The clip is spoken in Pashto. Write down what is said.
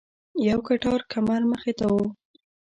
یو کټار کمر مخې ته و.